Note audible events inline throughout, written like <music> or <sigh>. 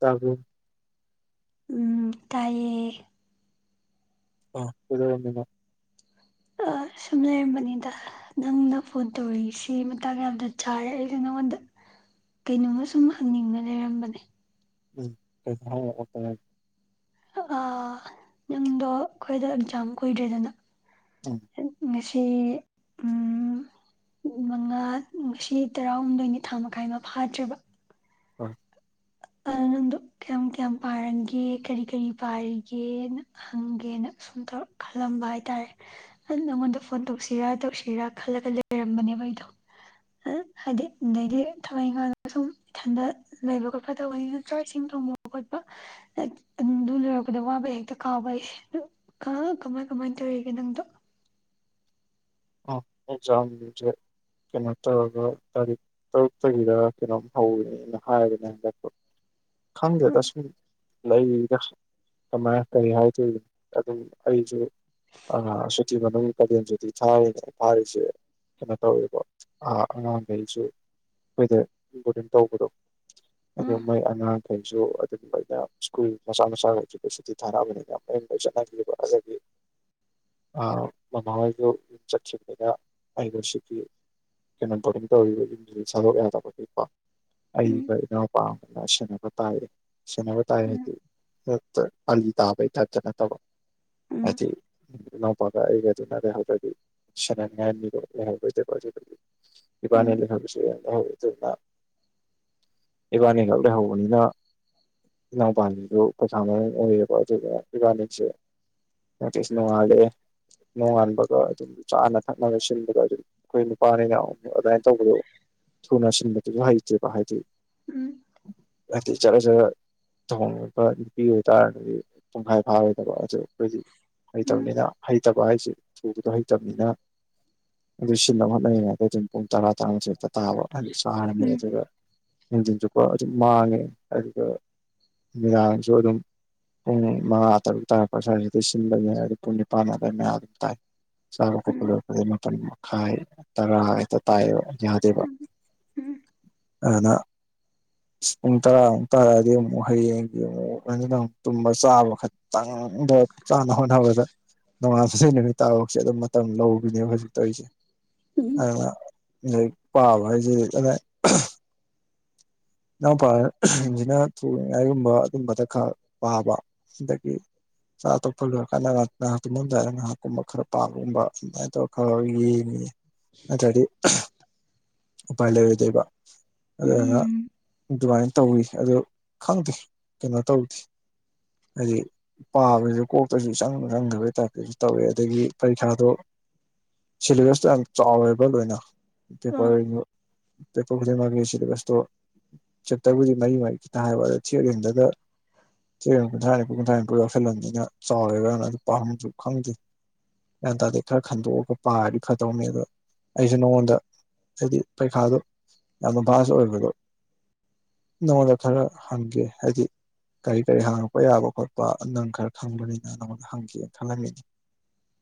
ꯇꯥꯕꯨꯣ ꯎꯝ ꯇꯥꯏꯦ ꯑ ꯀꯗꯗ ꯑ ꯁꯨꯝ ꯂꯩꯔꯝꯕꯅꯤꯗ ꯅꯪꯅ ꯐꯣꯟ ꯇꯧꯔꯛꯏꯁꯤ ꯃꯇꯥꯡ ꯌꯥꯝꯗ ꯆꯥꯔꯦ ꯑꯩꯁꯨ ꯅꯪꯉꯣꯟꯗ ꯀꯩꯅꯣꯝꯃ ꯁꯨꯝ ꯍꯪꯅꯤꯡꯕ ꯂꯩꯔꯝꯕꯅꯦ ꯎꯝ ꯀꯠꯇ ꯑ ꯅꯪꯗꯣ ꯑꯩꯈꯣꯏꯗ ꯑꯦꯛꯖꯥꯝ ꯀꯨꯏꯗ꯭ꯔꯦꯗꯅ ꯎꯝ ꯁꯤ ꯑ ꯃꯉꯥ ꯉꯁꯤ ꯇꯔꯥꯍꯨꯝꯗꯣꯏꯅꯤ ꯊꯥ ꯃꯈꯥꯏ ꯃ ꯐꯥꯗ꯭ꯔꯦꯕ ꯍ ꯑ ꯀ ꯀꯌꯥꯝ ꯄꯥꯔꯝꯒꯦ ꯀꯔꯤ ꯀꯔꯤ ꯄꯥꯏꯔꯤꯒꯦꯅ ꯍꯪꯒꯦꯅ ꯁꯨꯝ ꯇꯧ ꯈꯜꯂꯝꯕ ꯍꯥꯏ ꯇꯔꯦ ꯅꯉꯣꯟꯗ ꯐꯣꯟ ꯇꯧꯁꯤꯔ ꯇꯧꯁꯤꯔꯥ ꯈꯜꯂꯒ ꯂꯩꯔꯝꯕꯅꯦꯕ ꯑꯩꯗꯣ ꯍꯥꯏꯗꯤ ꯑꯗꯩꯗꯤ ꯊꯋꯥꯏ ꯏꯈꯥꯡ ꯁꯨꯝ ꯏꯊꯟꯗ ꯂꯩꯕꯣ ꯐꯠꯇꯕꯒꯤ ꯆꯥꯛ ꯏꯁꯤꯡ ꯊꯣꯡꯕ ꯈꯣꯠꯄ ꯑꯗꯨ ꯑꯗꯨ ꯂꯣꯏꯔꯛꯄꯗ ꯋꯥꯕ ꯍꯦꯛꯇ ꯀꯥꯎꯕꯩ ꯀ ꯀꯃꯥꯏ ꯀꯃꯥꯏ ꯇꯦ ꯍꯒ ꯅꯪꯗꯨ ꯑ ꯑꯦꯛꯖꯥꯝ ꯀꯩꯅꯣ ꯇꯧꯔꯒ ꯇꯥꯔꯤꯛ ꯇꯔꯨꯛꯇꯒꯤꯗ ꯀꯩꯅꯣꯝ ꯍꯧꯒꯅꯤꯅ ꯍꯥꯏꯕꯅꯦ ꯍꯟꯗꯛ ꯈꯪꯗꯦ ꯎꯝ ꯇꯁꯨꯃꯤ ꯂꯩ ꯀꯃꯥꯏꯅ ꯀꯔꯤ ꯍꯥꯏꯗꯣꯏꯅꯣ ꯑꯗꯨ ꯑꯩꯁꯨ ꯑ ꯁꯨꯇꯤ ꯃꯅꯨꯡꯅ ꯀꯗꯤ ꯌꯥꯝꯖꯨꯤ ꯊꯥꯔꯤ ꯐꯥꯔꯤꯁꯦ ꯀꯩꯅꯣ ꯇꯧꯋꯕ ꯑꯉꯥꯡꯈꯩꯁꯨ ꯃꯈꯣꯏꯗ ꯏꯝꯄꯣꯔꯇꯦꯟ ꯇꯧꯕꯗꯣ ꯑꯗꯨ ꯎꯝ ꯃꯣꯏ ꯑꯉꯥꯡꯈꯩꯁꯨ ꯑꯗꯨꯝꯕꯥꯏꯩꯅ ꯁ꯭ꯀꯨꯜ ꯃꯆꯥ ꯃꯆꯥꯒꯖꯀꯦ ꯁꯟꯤ ꯊꯥꯅꯕꯅꯤ ꯗꯒꯤ ꯑ ꯃꯃꯥꯁꯨ ꯑꯗꯨꯨꯝ ꯆꯠꯈꯤꯕꯅꯤꯅ ꯑꯩ ꯅꯨꯡꯁꯤꯈꯤ ꯀꯩꯅꯣ ꯀ ꯇꯧꯔꯤꯕ ꯌꯨꯝꯗꯨꯗ ꯁꯟꯗꯣꯛ ꯌꯥꯗꯕꯅꯤꯀꯣ ꯑꯩꯒ ꯎꯝ ꯏꯅꯥꯎ ꯄꯥꯝꯕꯅ ꯁꯤꯟꯅꯕ ꯇꯥꯏ ꯁꯤꯟꯅꯕ ꯇꯥꯏ ꯍꯥꯏꯗꯤ ꯍꯠꯇ ꯑ ꯇꯥꯕꯩ ꯆꯠ ꯆꯠꯇꯕꯣ ꯎꯝ ꯍꯥꯏ ꯂ ꯄ ꯑꯩ ꯑꯗꯨꯅꯔꯦ ꯍꯜꯔꯦꯗꯤ ꯁ ꯉꯅꯤꯕꯣꯍ ꯏꯕꯥꯅꯤ ꯎꯝ ꯂꯩꯦꯈꯕꯤꯁ ꯑꯣꯏꯅ ꯏꯕꯥꯅꯤꯈꯥꯛ ꯂꯩꯍꯧꯕꯅꯤꯅ ꯅ ꯄꯗꯨ ꯄꯩꯁꯥꯅ ꯑꯣꯏ ꯏꯕꯥꯁꯦ ꯅꯣꯇꯤꯁ ꯅꯣꯡꯉꯂꯦ ꯅꯣꯡꯅꯕꯒ ꯑꯗꯨ ꯆꯥꯅ ꯊꯛꯅꯕ ꯁꯤꯟꯕꯗꯣ ꯑꯗꯨꯝ ꯑꯩꯈꯣꯏ ꯅꯨꯄꯥꯅꯤꯅ ꯑꯃꯨꯛ ꯑꯗꯨꯃꯥꯏꯅ ꯇꯧꯕꯗꯣ ꯊꯅ ꯁꯤꯕ ꯍꯥꯏꯍꯤꯦ ꯄ ꯍꯥꯏꯦ ꯎꯝ ꯍꯥꯏꯗꯤ ꯆꯠꯔ ꯆꯠꯔ ꯊꯍꯉꯕ ꯅꯨꯄꯤ ꯑꯣꯏꯇꯥꯔꯒꯗꯤ ꯄꯨꯡꯈꯥꯏ ꯐꯥꯔꯣꯏꯗꯕ ꯑꯗꯨꯣ ꯑꯩꯈꯣꯏꯗꯤ ꯎꯝ ꯍꯩꯇꯕꯅꯤꯅ ꯍꯩꯇꯕ ꯍꯥꯏꯁꯦ ꯊꯨꯕꯗꯣ ꯍꯩ ꯆ ꯆꯅꯤꯅ ꯑꯗꯨꯣꯏ ꯁꯤꯕ ꯍꯣꯠꯅꯔꯤꯉꯩꯗ ꯑꯗꯨꯝ ꯄꯨꯡ ꯇꯔꯥ ꯇꯔꯥꯃꯊꯦꯛꯇ ꯇꯥꯕ ꯑꯗꯨ ꯁꯥꯔꯝꯃꯦ ꯎꯝ ꯑꯗꯨꯒ ꯍꯟꯖꯤꯟ ꯆꯨꯞꯄ ꯑꯗꯨꯝ ꯃꯥꯡꯉꯦ ꯑꯗꯨꯒ ꯃꯤꯗꯥꯥꯡꯁꯨ ꯑꯗꯨꯝ ꯄꯨꯡ ꯃꯉꯥ ꯇꯔꯨꯛ ꯇꯥꯔꯛꯄ ꯁ꯭ꯋꯥꯏꯁꯤꯗꯗꯒꯤ ꯁꯤꯟꯕꯅꯤ ꯑꯗꯨ ꯄꯨꯡ ꯅꯤꯄꯥꯟ ꯑꯗꯨꯋꯥꯏ ꯃꯌꯥ ꯑꯗꯨꯝ ꯇꯥꯏ ꯆꯥꯕ ꯀꯣꯄ ꯂꯣꯏꯄꯩ ꯃ ꯃꯈꯥꯏ ꯇꯔꯥ ꯍꯥꯏꯦꯛꯇ ꯇꯥꯏꯕ ꯌꯥꯗꯦꯕ ꯎꯝ ꯎꯝ ꯑꯗꯨꯅ ꯄꯨꯡ ꯇꯔꯥꯃꯨꯛ ꯇꯔꯥꯑꯗꯤ ꯑꯃꯨꯛ ꯍꯌꯦꯡꯒꯤ ꯑꯃꯨꯛ ꯑꯗꯨꯅ ꯑꯃꯨꯛ ꯇꯨꯝꯕ ꯆꯥꯕ ꯈꯪ ꯆꯥꯅ ꯍꯣꯠꯅꯕꯗ ꯅꯣꯡꯉꯥꯁꯩ ꯅꯨꯃꯤꯠ ꯇꯥꯐꯥꯎꯁꯦ ꯑꯗꯨꯝ ꯃꯇꯝ ꯂꯧ ꯍꯧꯖꯤꯛꯇꯁꯦ ꯎꯝ ꯑꯩ ꯄꯥꯕ ꯍꯥꯏꯁꯤꯗꯤ ꯀꯗꯥ ꯏꯅꯥꯎꯄꯥꯁꯤꯅ ꯊꯨꯏꯉꯥꯏꯒꯨꯝꯕ ꯑꯗꯨꯝꯕꯗ ꯈꯔ ꯄꯥꯕ ꯗꯗꯒꯤ ꯆꯥ ꯑꯇꯣꯞꯄ ꯂꯣꯏꯔꯀꯥꯟꯗꯍ ꯉꯍꯥꯛ ꯇꯨꯃꯝꯗꯥꯏꯗꯒ ꯉꯥꯏꯍꯥꯛꯀꯨꯝꯕ ꯈꯔ ꯄꯥꯒꯨꯝꯕ ꯑꯗꯨꯃꯥꯏꯅ ꯇꯧꯔꯒ ꯈꯔ ꯌꯦꯡꯉꯤꯦ ꯃꯆꯥꯗꯤ ꯎꯄꯂ ꯑꯣꯏ ꯗꯕ ꯑꯗꯨ ꯎꯝ ꯑꯗꯨꯃꯥꯏꯅ ꯇꯧꯋꯤ ꯑꯗꯣ ꯈꯪꯗꯦ ꯀꯩꯅꯣ ꯇꯧꯗꯦ ꯍꯥꯏꯗꯤ ꯄꯥꯕꯁꯨ ꯀꯣꯛꯇꯁꯨ ꯏꯪ ꯆꯪꯗꯕꯩ ꯇꯥꯏꯞꯇꯁꯨ ꯇꯧꯋꯦ ꯑꯗꯒꯤ ꯄꯔꯤꯈꯥꯗꯣ ꯁꯤꯂꯕꯁꯇ ꯆꯥꯎꯋꯦꯕ ꯂꯣꯏꯅ ꯑꯥ ꯄꯦꯄꯔ ꯄꯦꯄꯔ ꯈꯨꯗꯤꯡꯃꯛꯒꯤ ꯁꯤꯂꯦꯕꯁꯇꯣ ꯆꯞꯇꯔꯕꯨꯗꯤ ꯃꯔꯤ ꯃꯔꯤꯛ ꯈꯤꯇꯪ ꯍꯥꯏꯕꯗ ꯊꯤꯠ ꯍꯦꯟꯗꯒ ꯆꯦ ꯀꯨꯟꯊ꯭ꯔꯥ ꯅꯤꯐꯨ ꯀꯨꯟꯊ꯭ꯔꯥ ꯅꯤꯄꯨ ꯂꯁꯤꯜꯂꯝꯟꯅꯤꯅ ꯆꯥꯎꯔꯦꯒꯅ ꯑꯗꯨ ꯄꯥꯝꯝꯁꯨ ꯈꯪꯗꯦ ꯒ꯭ꯌꯥꯟ ꯇꯥꯗꯗꯤ ꯈꯔ ꯈꯟꯗꯣꯛꯑꯒ ꯄꯥꯔꯗꯤ ꯐꯗꯧꯅꯤ ꯑꯗꯣ ꯑꯩꯁꯨ ꯅꯉꯣꯟꯗ ꯍꯥꯏꯗꯤ ꯄꯩꯈꯥꯗꯣ ꯌꯥꯝꯅ ꯚꯥꯁ ꯑꯣꯏꯕꯗꯣ ꯅꯉꯣꯟꯗ ꯈꯔ ꯍꯪꯒꯦ ꯍꯥꯏꯗꯤ ꯀꯔꯤ ꯀꯔꯤ ꯍꯥꯡꯉꯛꯄ ꯌꯥꯕ ꯈꯣꯠꯄ ꯅꯪ ꯈꯔ ꯈꯪꯕꯅꯤꯅ ꯅꯪꯉꯣꯟꯗ ꯍꯪꯒꯅ ꯈꯜꯍꯟꯉꯤꯅꯤ <inaudible>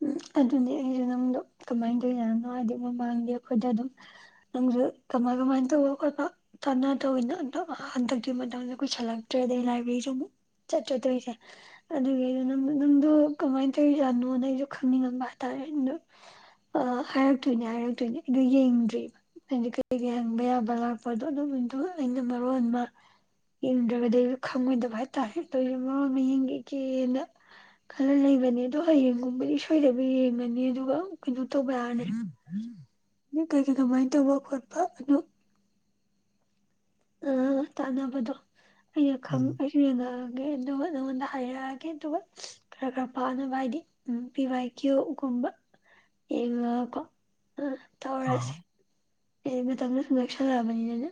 ꯎꯝ ꯑꯗꯨꯅꯤ ꯑꯩꯁꯨ ꯅꯪꯗꯣ ꯀꯃꯥꯏꯅ ꯇꯧꯔꯤꯖꯥꯠꯅꯣ ꯍꯥꯏꯗꯤ ꯃꯃꯥꯡꯗꯤ ꯑꯩꯈꯣꯏꯗ ꯑꯗꯨꯝ ꯅꯪꯁꯨ ꯀꯃꯥꯏ ꯀꯃꯥꯏꯅ ꯇꯧꯕ ꯈꯣꯠꯄ ꯇꯥꯟꯅ ꯇꯧꯅꯤꯅ ꯍꯟꯗꯛꯇꯤꯒꯤ ꯃꯇꯝꯗ ꯀꯨꯁꯜꯂꯛꯇ꯭ꯔꯦ ꯑꯗꯩ ꯂꯥꯏꯕ꯭ꯔꯦꯔꯤꯁꯤ ꯑꯃꯨꯛ ꯆꯠ ꯆꯠꯇꯧꯣꯏꯁꯦ ꯑꯗꯨꯒꯤꯗꯣ ꯅꯪꯗꯣ ꯀꯃꯥꯏꯅ ꯇꯧꯖꯥꯠꯅꯣꯅ ꯑꯩꯁꯨ ꯈꯪꯅꯤꯡꯉꯝꯕ ꯍꯥꯏꯇꯥꯔꯦ ꯑꯗꯨꯗꯣ ꯍꯥꯏꯔꯛꯇꯣꯏꯅꯦ ꯍꯥꯏꯔꯛꯇꯣꯏꯅꯦ ꯑꯗꯣ ꯌꯦꯡꯗ꯭ꯔꯤꯕꯔꯤꯕ ꯍꯥꯏꯗꯤ ꯀꯩ ꯀ ꯍꯪꯕ ꯌꯥꯕ ꯂꯥꯛꯄꯗꯣ ꯑꯗꯨꯝ ꯑꯩꯅ ꯃꯔꯣꯟꯕ ꯌꯦꯡꯗ꯭ꯔꯕꯗꯤ ꯑꯩ ꯈꯪꯉꯣꯏꯗꯕ ꯍꯥꯏꯇꯥꯔꯦ ꯑꯗꯨ ꯃꯃꯅ ꯌꯦꯡꯒꯦꯒꯦꯅ ꯈꯜꯂ ꯂꯩꯕꯅꯤꯗ ꯍꯌꯦꯒꯨꯝꯔꯤ ꯁꯣꯏꯗꯕꯤ ꯌꯦꯡꯉꯅꯤ ꯑꯗꯨꯒ ꯀꯩꯅꯣ ꯇꯧꯕ ꯌꯥꯔꯅꯤ ꯑꯗꯨ ꯀꯩꯀꯩ ꯀꯃꯥꯏꯅ ꯇꯧꯕ ꯈꯣꯠꯄ ꯑꯗꯨ ꯑꯥ ꯇꯥꯟꯅꯕꯗꯣ ꯑꯩꯅ ꯎꯝ ꯑꯩꯁꯨ ꯌꯦꯡꯉꯛꯑꯒꯦ ꯑꯗꯨꯒ <inaudible> ꯅꯪꯉꯣꯟꯗ ꯍꯥꯏꯔꯛꯑꯒꯦ ꯑꯗꯨꯒ ꯈꯔ ꯈꯔ ꯄꯥꯛꯅꯕ ꯍꯥꯏꯗꯤ ꯎꯝ ꯄꯤꯚꯏ ꯀ꯭ꯌꯣꯒꯨꯝꯕ ꯏꯉ ꯀ ꯎ ꯑꯥ ꯇꯧꯔꯁꯤ ꯑꯩꯕꯨ ꯇꯝꯅ ꯁꯨ ꯑꯦꯛꯁꯟ ꯂꯕꯅꯤꯗꯅꯦ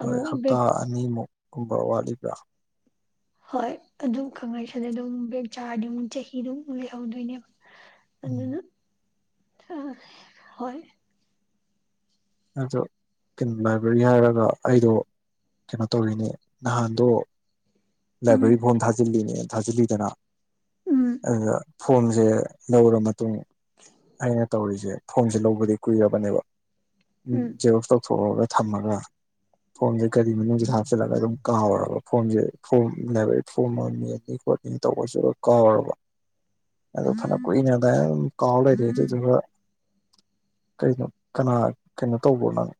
ꯍꯣꯏ ꯍꯞꯇꯥ ꯑꯅꯤꯃꯨꯛ ꯀꯨꯝꯕ ꯋꯥꯠꯂꯤꯕ꯭ꯔꯥ ꯍꯣꯏ ꯑꯗꯨꯝ ꯈꯪꯅꯩꯁꯤꯗ ꯑꯗꯨꯝ ꯕꯦꯛ ꯆꯥꯔꯗꯤ ꯑꯃꯨꯛ ꯆꯍꯤꯗꯨꯨꯛ ꯂꯩꯍꯧꯗꯣꯏꯅꯦꯕ ꯎꯝ ꯑꯗꯨꯅꯤꯅ ꯑ ꯍ ꯑꯗꯨ ꯀꯩꯅꯣ ꯂꯥꯏꯕ꯭ꯔꯦꯔꯤ ꯍꯥꯏꯔꯒ ꯑꯩꯗꯣ ꯀꯩꯅꯣ ꯇꯧꯔꯤꯅꯦ ꯅꯍꯥꯟꯗꯣ ꯂꯥꯏꯕ꯭ꯔꯦꯔꯤ ꯎꯝ ꯐꯣꯟ ꯊꯥꯖꯤꯜꯂꯤꯅꯦ ꯊꯥꯖꯤꯜꯂꯤꯗꯅ ꯎꯝ ꯑꯗꯨ ꯐꯣꯝꯁꯦ ꯂꯧꯔ ꯃꯇꯨꯡ ꯑꯩꯅ ꯇꯧꯔꯤꯁꯦ ꯦ ꯐꯣꯟꯁꯦ ꯂꯧꯕꯗꯤ ꯀꯨꯏꯔꯕꯅꯦꯕ ꯎꯝ ꯦꯕꯣꯛꯁ ꯇꯧꯊꯣꯛꯒ ꯊꯝꯃꯒ ꯐꯣꯟꯁꯦ ꯀꯔꯤ ꯃꯅꯨꯡꯁꯤꯗ ꯍꯥꯞꯆꯤꯜꯂꯒ ꯑꯗꯨꯝ ꯀꯥꯎꯔꯒ ꯐꯣꯟꯁꯦ ꯐꯨꯝ ꯂꯦꯕꯔꯤ ꯐꯣ ꯑꯅꯤ ꯈꯣꯠꯅꯤ ꯇꯧꯕꯁꯨ ꯀꯥꯎꯔꯕ ꯑꯗꯨ ꯐꯅ ꯀꯨꯏꯅꯗꯥꯅ ꯑꯗꯨꯝ ꯀꯥꯎ ꯂꯩꯔ ꯑꯗꯨꯗꯨꯒ ꯀꯩꯅꯣ ꯀꯅꯥ ꯀꯩꯅꯣ ꯇꯧꯕ꯭ꯔꯣ ꯅꯪ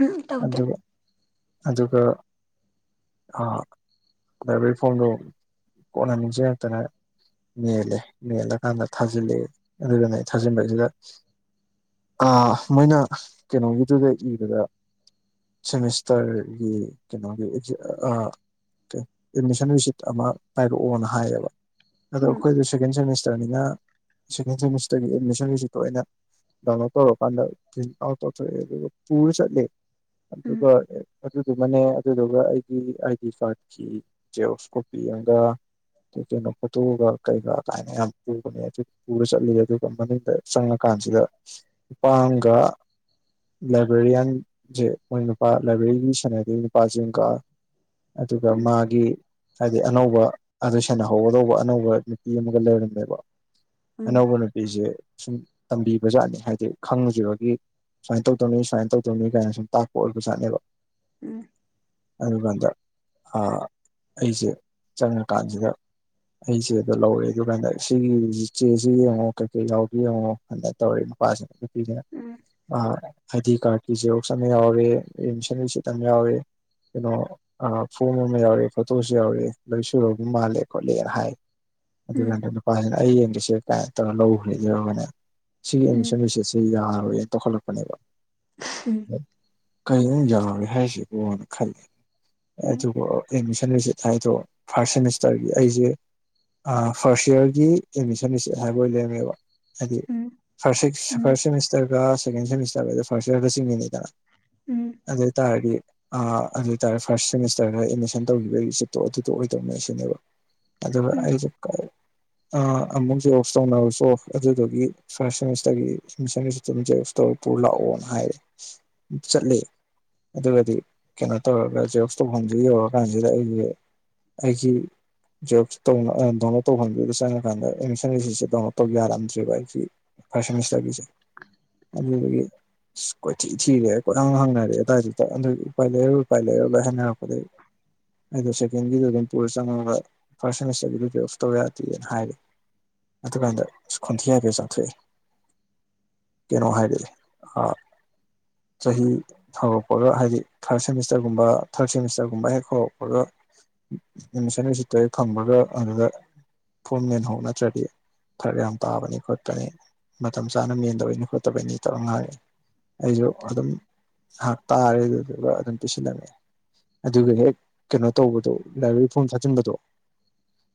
ꯎꯝ ꯇꯧꯗꯦ ꯑꯗꯨꯒ ꯑꯗꯨꯒ ꯑꯕ ꯐꯣꯟꯗ ꯀꯅꯥꯁꯤꯦ ꯍꯥꯏꯠꯇꯅ ꯃꯦꯜꯂꯦ ꯃꯦꯜꯂꯀꯥꯟꯗ ꯊꯥꯖꯤꯜꯂꯦ ꯑꯗꯨꯗꯨꯅ ꯊꯥꯖꯤꯟꯕꯁꯤꯗ ꯃꯣꯏꯅ ꯀꯩꯅꯣꯒꯤꯗꯨꯗ ꯏꯕꯗꯁ ꯇꯔꯒꯤ ꯀꯩꯅꯣꯒꯤ ꯑꯦꯗꯃꯤꯁꯟ ꯔꯤꯁꯤꯠ ꯑꯃ ꯄꯥꯏꯔꯛꯑꯣꯅ ꯍꯥꯏꯌꯦꯕ ꯑꯗꯣ ꯎꯝ ꯑꯩꯈꯣꯏꯗ ꯁꯦꯀꯦꯟꯦꯃꯤꯁꯔ ꯇꯔꯅꯤꯅ ꯁꯦꯀꯦꯟ ꯁꯦꯃꯤꯁꯇꯔꯒꯤ ꯑꯦꯠꯃꯤꯁꯟꯒꯤꯁꯤꯠꯇ ꯑꯩꯅ ꯗꯥꯅ ꯇꯧꯔꯀꯥꯟꯗ ꯑꯥꯎ ꯇꯧꯊꯣꯛꯑꯦ ꯑꯗꯨꯒ ꯄꯨꯔ ꯆꯠꯂꯤ ꯎꯝ ꯑꯗꯨꯒ ꯑꯗꯨꯗꯨꯃꯅꯦ ꯑꯗꯨꯗꯨꯒ ꯑꯩꯒꯤ ꯑꯥꯏ ꯗꯤ ꯀꯥꯔꯠꯀꯤ ꯖꯦꯌꯣꯁ ꯀꯣꯄꯤ ꯑꯃꯒ ꯀꯩꯅꯣ ꯐꯣꯇꯣꯛꯑꯒ ꯀꯩꯒ ꯀꯥꯏꯅ ꯌꯥꯝ ꯄꯨꯕꯅꯦ ꯑꯗꯨ ꯄꯨꯔ ꯆꯠꯂꯤ ꯑꯗꯨꯒ ꯃꯅꯨꯡꯗ ꯆꯪꯉꯀꯥꯟꯗ ꯀꯥꯟꯁꯤꯗ ꯅꯨꯄꯥꯒ ꯂꯥꯏꯕ꯭ꯔꯦꯔꯤꯌꯥꯟꯁꯦ ꯃꯣꯏ ꯅꯨꯄꯥ ꯂꯥꯏꯕ꯭ꯔꯦꯔꯤꯒꯤ ꯁꯥꯟꯅꯗ ꯅꯨꯄꯥꯁꯤꯡ ꯀ ꯑꯗꯨꯒ ꯎꯝ ꯃꯥꯒꯤ ꯍꯥꯏꯗꯤ ꯑꯅꯧꯕ ꯑꯗꯨ ꯁꯦꯅꯍꯧꯒꯗꯧꯕ ꯑꯅꯧꯕ ꯅꯨꯄꯤ ꯑꯃꯒ ꯂꯩꯔꯝꯃꯦꯕ ꯎꯝ ꯑꯅꯧꯕ ꯅꯨꯄꯤꯁꯦ ꯁꯨꯝ ꯇꯝꯕꯤꯕꯖꯥꯠꯅꯤ ꯍꯥꯏꯗꯤ ꯈꯪꯈꯤꯕꯒꯤ ꯁꯨꯃꯥꯏꯅ ꯇꯧꯗꯧꯅꯤ ꯁꯨꯃꯥꯏꯅ ꯇꯧꯗꯧꯅꯤ ꯀꯥꯏꯅ ꯁꯨꯝ ꯇꯥꯛꯄ ꯑꯣꯏꯕꯖꯥꯠꯅꯦꯕ ꯎꯝ ꯑꯗꯨꯀꯥꯟꯗ ꯑꯩꯁꯦ ꯆꯪꯉꯀꯥꯟꯁꯤꯗ ꯑꯩꯁꯦꯗꯣ ꯂꯧꯋꯦ ꯑꯗꯨ ꯀꯥꯟꯗ ꯁꯤꯒꯤ ꯆꯦꯁꯤ ꯌꯦꯡꯉꯣ ꯀꯩꯀꯩ ꯌꯥꯎꯒ ꯌꯦꯡꯉꯣ ꯀ ꯇꯧꯔꯤꯅꯣ ꯅꯨꯄꯥꯁꯤꯅ ꯅꯨꯄꯤꯁꯤꯅ ꯎꯝ ꯎꯝ ꯍꯥꯏꯗꯤ ꯀꯥꯔꯀꯤ ꯁꯔꯣꯛꯁꯅ ꯌꯥꯎꯔꯦ ꯑꯦꯟꯁꯟꯁꯤ ꯇꯃꯦ ꯍꯋꯦ ꯀꯩꯅꯣ ꯐꯣꯝ ꯑꯃ ꯌꯥꯎꯔꯦ ꯐꯣꯇꯣꯁꯨ ꯌꯥꯎꯔꯦ ꯂꯣꯏ ꯁꯒ ꯃꯥꯜꯂꯦ ꯈꯣꯠꯂꯦꯅ ꯍꯥꯏ ꯎꯝ ꯑꯗꯨꯀꯥꯟꯗ ꯅꯨꯄꯥꯁꯤꯅ ꯑꯩ ꯌꯦꯡꯕꯁꯦ ꯀꯃꯥꯏ ꯇꯧꯔ ꯂꯧꯈ꯭ꯔꯦ ꯌꯦꯕꯅꯦ ꯁꯤꯒꯤ ꯎꯝ ꯑꯦꯠꯃꯤꯁꯟ ꯔꯤꯁꯤꯠꯁꯤꯦ ꯌꯥꯔꯔꯣꯏꯅ ꯇꯍꯠꯂꯛꯄꯅꯦꯕ ꯎꯝ ꯀꯔꯤꯣꯝ ꯌꯥꯔꯦ ꯍꯥꯏꯁꯤꯕꯨꯅ ꯈꯜꯂꯤ ꯎꯝ ꯑꯗꯨꯒ ꯑꯦꯠꯃꯤꯁꯟ ꯁꯤꯠ ꯍꯥꯏꯗꯣ ꯐꯥꯔꯁ ꯁꯦꯃꯤꯁꯇꯔꯒꯤ ꯑꯩꯁꯦ ꯐꯥꯔꯁ ꯌꯌꯥꯔꯒꯤ ꯑꯦꯠꯃꯤꯁꯟ ꯁꯦꯠ ꯍꯥꯏꯕ ꯑꯣꯏ ꯂꯩꯔꯝꯃꯦꯕ ꯍꯥꯏꯗꯤ ꯐꯥꯔ ꯐꯥꯔꯁ ꯁꯦꯃꯤꯁꯇꯔꯒ ꯁꯦꯀꯦꯟ ꯁꯦꯃꯤꯁꯇꯔꯒꯗ ꯐꯥꯔꯁ ꯁꯔꯒ ꯆꯤꯡꯃꯤꯅꯤꯗꯅ ꯎꯝ ꯑꯗꯦ ꯇꯥꯗꯤ ꯑ ꯑꯗꯨ ꯑꯣꯏ ꯇꯔꯦ ꯐꯥꯔꯁ ꯁꯦꯃꯤꯁꯇꯔꯗ ꯑꯦꯠꯃꯤꯁꯟ ꯇꯧꯈꯤꯕꯒꯤ ꯔꯤꯁꯤꯞꯇꯣ ꯑꯗꯨꯗꯣ ꯑꯣꯏꯗꯧꯅꯦ ꯁꯤꯅꯦꯕ ꯑꯗꯨ ꯎꯝ ꯑꯩꯁꯨ ꯀ ꯑꯃꯨꯛꯁꯦ ꯑꯣꯐꯁ ꯇꯧꯅꯔꯁꯨ ꯑꯣ ꯑꯗꯨꯗꯨꯒꯤ ꯐꯥꯔꯦꯃꯤꯁꯇꯔꯒꯤ ꯇꯧꯄꯨꯔ ꯂꯥꯛꯑꯣꯅ ꯍꯥꯏꯔꯦ ꯆꯠꯂ ꯑꯗꯨꯒꯗꯤ ꯀꯩꯅꯣ ꯇꯧꯔꯒ ꯆꯦꯛꯁ ꯇꯧꯐꯝꯁꯤ ꯌꯧꯔꯀꯥꯟꯁꯤꯗ ꯑꯩꯁꯦ ꯑꯩꯒꯤ ꯗꯅꯣ ꯇꯧꯕꯗ ꯆꯪꯉꯀꯥꯟꯗ ꯑꯩꯅ ꯆꯪꯉꯤꯁꯤꯁꯦ ꯗꯣ ꯇꯧꯒꯦꯔꯝꯗ꯭ꯔꯤꯕ ꯑꯩꯁꯤ ꯐꯥꯔꯁ ꯁꯦꯃꯤꯁꯇꯔꯒꯤꯁꯦ ꯑꯗꯨꯗꯒꯤ ꯀꯣꯏꯊꯤ ꯊꯤꯔꯦ ꯍꯦꯛ ꯍꯪꯅꯔꯦ ꯑꯗꯨꯋꯥꯏ ꯎꯄꯥꯏ ꯂꯩꯔ ꯎꯄꯥꯏ ꯂꯩꯔꯨꯒꯥꯏ ꯍꯅꯔꯛꯄꯗꯒꯤ ꯑꯩꯗꯣ ꯁꯦꯀꯦꯟꯒꯤꯗ ꯑꯗꯨꯝ ꯄꯨꯔ ꯆꯪꯉꯒ ꯐꯥꯔꯁꯠ ꯁꯦꯃꯤꯁꯇꯔꯒꯤ ꯄꯌ ꯑꯣꯐ ꯇꯧ ꯌꯥꯗꯦꯅ ꯍꯥꯏꯔꯤ ꯑꯗꯨꯀꯥꯟꯗ ꯑ ꯈꯣꯟꯊꯤ ꯍꯥꯏꯐꯦ ꯆꯥꯊꯣꯛꯑꯏ ꯀꯩꯅꯣ ꯍꯥꯏꯕꯤꯦ ꯆꯍꯤ ꯍꯧꯔꯛꯄꯒ ꯍꯥꯏꯗꯤ ꯊꯥꯔꯠ ꯁꯦꯃꯤꯁꯇꯔꯒꯨꯝꯕ ꯊꯥꯔꯠ ꯁꯦꯃꯤꯁꯇꯔꯒꯨꯝꯕ ꯍꯦꯛ ꯍꯧꯥꯎꯔꯛꯄꯒ ꯑꯦꯠꯃꯤꯁꯟ ꯔꯤꯁꯤꯠꯇ ꯑꯩ ꯐꯪꯕꯒ ꯑꯗꯨꯗ ꯐꯣꯝ ꯂꯦꯟꯍꯧ ꯅꯠꯇ꯭ꯔꯗꯤ ꯐꯔꯛ ꯌꯥꯝ ꯄꯥꯕꯅꯤ ꯈꯣꯠꯄꯅꯤ ꯃꯇꯝ ꯆꯥꯅ ꯃꯦꯟꯗꯕꯩꯅꯤ ꯈꯣꯠꯇꯕꯩꯅꯤ ꯇꯧ ꯉꯥꯡ ꯑꯩꯁꯨ ꯑꯗꯨꯝ ꯉꯥꯏꯍꯥꯛ ꯇꯥꯔꯦ ꯑꯗꯨꯗꯨꯒ ꯑꯗꯨꯝ ꯄꯤꯁꯤꯜꯂꯝꯃꯦ ꯑꯗꯨꯒ ꯍꯦꯛ ꯀꯩꯅꯣ ꯇꯧꯕꯗꯣ ꯂꯥꯏꯕ꯭ꯔꯦꯔꯤ ꯐꯣꯝ ꯊꯥꯖꯤꯟꯕꯗꯣ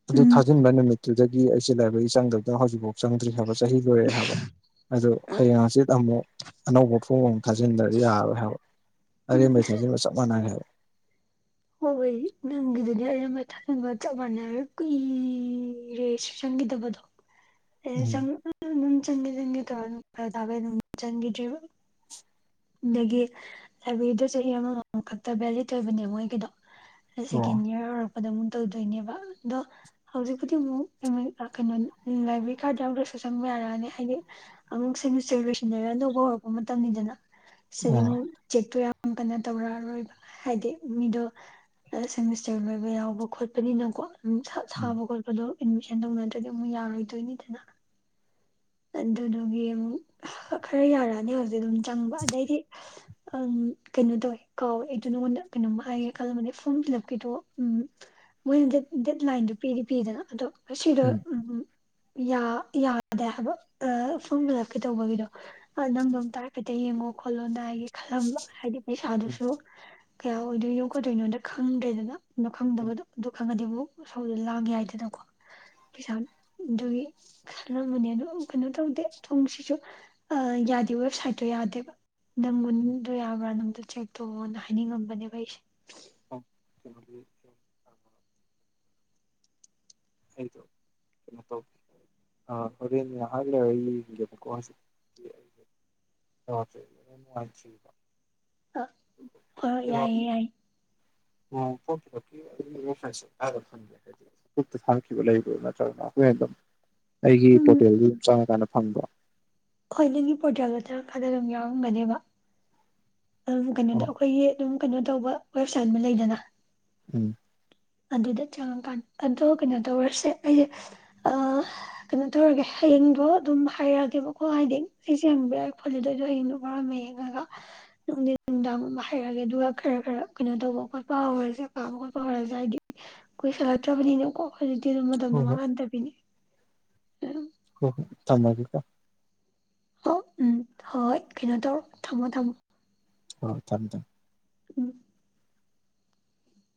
ꯑꯗꯨ ꯎꯝ ꯎꯝ ꯊꯥꯖꯤꯟꯕ ꯅꯨꯃꯤꯠꯇꯨꯗꯒꯤ ꯑꯩꯁꯦ ꯂꯥꯏꯕ꯭ꯔꯦꯔꯤ ꯆꯪꯗꯕꯗꯅ ꯍꯧꯖꯤꯛꯐꯥꯎ ꯆꯪꯗ꯭ꯔꯤ ꯍꯥꯏꯕ ꯆꯍꯤ ꯂꯣꯏꯔꯦ ꯍꯥꯏꯕ ꯑꯗꯨ ꯍꯌꯦꯡ ꯍꯆꯠ ꯑꯃꯨꯛ ꯑꯅꯧꯕ ꯐꯣꯡ ꯑꯃꯨꯛ ꯊꯥꯖꯤꯟꯗ꯭ꯔ ꯌꯥꯔꯣꯏ ꯍꯥꯏꯕ ꯑꯔꯦꯝꯕꯩ ꯊꯥꯖꯤꯟꯕ ꯆꯞ ꯃꯥꯟꯅꯩ ꯍꯥꯏꯕ ꯊꯅꯕ ꯆꯞ ꯃꯥꯟꯅꯩ ꯀꯨꯏꯔꯦ ꯁ ꯆꯪꯈꯤꯗꯕꯗꯣ ꯎꯝ ꯆꯪ ꯆꯪꯒꯤ ꯆꯪꯦ ꯇꯧ ꯊꯥꯦ ꯆꯪꯒꯤꯗ꯭ꯔꯤꯕ ꯑꯗꯒꯤ ꯂꯥꯏꯕ꯭ꯔꯦꯔꯤꯗ ꯆꯍꯤ ꯑꯃꯃ ꯈꯛꯇ ꯚꯦꯂꯤꯠ ꯑꯣꯏꯕꯅꯦ ꯃꯣꯏꯒꯤꯗꯣ ꯑꯣ <unintelligible> <inaudible> ꯑꯃꯨꯛ ꯇꯧꯗꯣꯏꯅꯦꯕ ꯑꯗꯣ ꯍꯧꯖꯤꯛꯄꯨꯗꯤ ꯑꯃꯨꯛ ꯑꯩ ꯀꯩꯅꯣ ꯂꯥꯏꯕ꯭ꯔꯦꯔꯤ ꯀꯥꯔꯗ ꯌꯥ ꯆꯪꯕ ꯌꯥꯔꯛꯑꯅꯤ ꯍꯥꯏꯗꯤ ꯑꯃꯨꯛ ꯁꯁꯦ ꯂꯣꯏꯁꯤꯟꯅꯔꯒ ꯑꯅꯧꯕ ꯍꯧꯔꯛꯄ ꯃꯇꯝꯅꯤꯗꯅ ꯁꯤꯗꯤ ꯑꯣ ꯑꯃꯨꯛ ꯆꯦꯛꯇꯣ ꯌꯥꯝ ꯀꯟꯅ ꯇꯧꯔꯛꯑꯔꯣꯏꯕ ꯍꯥꯏꯗꯤ ꯃꯤꯗꯣ ꯁꯦꯃꯤꯁꯇꯔ ꯂꯣꯏꯕ ꯌꯥꯎꯕ ꯈꯣꯠꯄꯅꯤꯅꯀꯣꯝ ꯁꯥꯕ ꯈꯣꯠꯄꯗꯣ ꯑꯦꯠꯃꯤꯁꯟ ꯇꯧꯅꯗ꯭ꯔꯗꯤ ꯑꯃꯨꯛ ꯌꯥꯔꯣꯏꯗꯣꯏꯅꯤꯗꯅ ꯑꯗꯨꯗꯨꯒꯤ ꯑꯃꯨꯛ ꯈꯔ ꯌꯥꯔꯛꯑꯅꯤ ꯍꯧꯖꯤꯛꯇꯛ ꯑꯗꯨꯝ ꯆꯪꯕ ꯑꯗꯩꯗꯤ ꯑ ꯀꯩꯅꯣ ꯇꯧꯋꯦ ꯀꯥꯎꯋꯦ ꯑꯩꯗꯣ ꯅꯉꯣꯟꯗ ꯀꯩꯅꯣꯝꯃ ꯍꯥꯏꯒꯦ ꯈꯜꯂꯝꯕꯅꯦ ꯐꯣꯔꯝ ꯐꯤꯜ ꯑꯞꯀꯤꯗꯣ ꯎꯝ ꯃꯣꯏꯅ ꯗꯦꯠ ꯂꯥꯏꯟꯗꯨ ꯄꯤꯗꯤ ꯄꯤꯗꯅ ꯑꯗꯣ ꯑꯁꯤꯗ ꯎꯝ ꯌꯥꯗꯦ ꯍꯥꯏꯕ ꯑ ꯐꯣꯝ ꯐꯤꯜꯂꯞꯀꯩ ꯇꯧꯕꯒꯤꯗꯣ ꯅꯪꯗꯣꯝ ꯇꯔꯄꯦꯇ ꯌꯦꯡꯉꯣ ꯈꯣꯠꯂꯣ ꯗꯥꯏꯒꯤ ꯈꯜꯂꯝꯕ ꯍꯥꯏꯗꯤ ꯄꯩꯁꯥꯗꯨꯁꯨ ꯀꯌꯥ ꯑꯣꯏꯗꯣꯏꯅꯣ ꯌꯣꯛꯀꯗꯣꯏꯅꯣꯗ ꯈꯪꯗ꯭ꯔꯦꯗꯅ ꯑꯗꯨ ꯈꯪꯗꯕ ꯑꯗꯨ ꯈꯪꯉꯗꯤꯕꯨ ꯁꯥꯎꯗ ꯂꯥꯡꯒꯦ ꯍꯥꯏꯗꯅꯀꯣ ꯄꯩꯁꯥ ꯑꯗꯨꯒꯤ ꯁꯂꯝꯕꯅꯦ ꯑꯗꯨ ꯀꯩꯅꯣ ꯇꯧꯗꯦ ꯊꯣꯡꯁꯤꯁꯨ ꯌꯥꯗꯦ ꯋꯦꯕꯁꯥꯏꯠꯇꯣ ꯌꯥꯗꯦꯕ ꯅꯪꯒꯟꯗ ꯌꯥꯕ꯭ꯔꯥ ꯅꯪꯗꯣ ꯆꯦꯛ ꯇꯣꯛꯑꯣꯅ ꯍꯥꯏꯅꯤꯡꯉꯝꯕꯅꯦꯕꯩꯁꯦ ꯕꯤꯃ ꯊꯦꯡꯨ ꯇꯧ ꯑ ꯍꯗꯅꯦ ꯍꯥꯏꯂꯦ ꯍ ꯈꯋꯥ ꯁꯤ ꯑ ꯑ ꯑ ꯌꯥꯏꯌꯦ ꯌꯥꯏꯌꯦ <inaudible> <unintelligible> ꯑꯣ ꯊꯈꯤꯕ ꯂꯩꯕ꯭ꯔꯣ ꯅꯠꯇ꯭ꯔꯒꯅ ꯑꯩꯈꯣꯏ ꯑꯩꯒꯤ ꯎꯝ ꯄꯣꯔꯇꯦꯜꯗꯨ ꯑꯗꯨꯝ ꯆꯪꯉꯀꯥꯟꯗ ꯐꯪꯕ꯭ꯔꯥ ꯍꯣꯏ ꯅꯪꯒꯤ ꯄꯣꯔꯇꯦꯜꯗ ꯆ ꯈꯗ ꯑꯗꯨꯝ ꯌꯥꯎꯔꯝꯒꯅꯦꯕ ꯑꯗꯨꯝ ꯀꯩꯅꯣꯗ ꯑꯣ ꯑꯩꯈꯣꯏꯒꯤ ꯑꯗꯨꯝ ꯀꯩꯅꯣ ꯇꯧꯕ ꯋꯦꯕꯁꯥꯏꯠ ꯑꯃ ꯂꯩꯗꯅ ꯎꯝ ꯑꯗꯨꯗ ꯆꯪꯉꯀꯥꯟ ꯑꯗꯣ ꯀꯩꯅꯣ ꯇꯧꯔꯁꯦ ꯑꯩꯁꯦ ꯑ ꯀꯩꯅꯣ ꯇꯧꯔꯒꯦ ꯍꯌꯦꯡꯗꯣ ꯑꯗꯨꯝ ꯍꯥꯏꯔꯛꯑꯒꯦꯕꯀꯣ ꯍꯥꯏꯗꯤ ꯑꯩꯁꯦ ꯌꯦꯡꯕꯤꯔꯛꯑꯦ ꯈꯣꯠꯂꯦꯗꯣꯏꯗꯣ ꯍꯌꯦꯡꯗꯣ ꯈꯔ ꯑꯃ ꯌꯦꯡꯉꯒ ꯅꯨꯡꯗꯤꯤꯟ ꯅꯨꯡꯗꯥꯡ ꯍꯥꯏꯔꯛꯒꯦ ꯑꯗꯨꯒ ꯈꯔ ꯈꯔ ꯀꯩꯅꯣ ꯇꯧꯕ ꯈꯣꯠꯄ ꯍꯧꯔꯁꯦ ꯄꯥꯕ ꯈꯣꯠꯄ ꯍꯧꯔꯁꯦ ꯍꯥꯏꯗꯤ ꯀꯣꯏ ꯁꯥꯜꯂꯛꯇ꯭ꯔꯕꯅꯤꯅꯦꯈ ꯇꯤ ꯃꯇꯝꯗꯣ ꯍꯣꯏ ꯃꯥꯡꯍꯟꯗꯕꯤꯅꯤ ꯍ ꯍꯣ ꯊꯝꯃꯕꯤꯀ ꯍ ꯎꯝ ꯍ ꯍꯅ ꯇꯔ ꯊꯝꯃꯣ ꯊꯝꯃꯣ ꯑꯣ ꯊꯝꯃꯦ ꯊꯝꯃꯦ ꯎꯝ